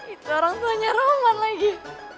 itu orang tuanya rawan lagi